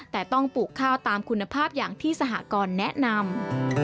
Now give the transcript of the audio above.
แต่ต้องปลูกข้าวตามคุณภาพอย่างที่สหกรแนะนำ